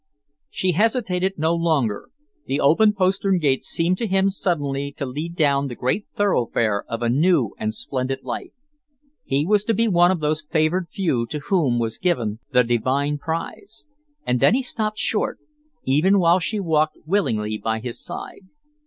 She hesitated no longer. The open postern gate seemed to him suddenly to lead down the great thoroughfare of a new and splendid life. He was to be one of those favoured few to whom was given the divine prize. And then he stopped short, even while she walked willingly by his side.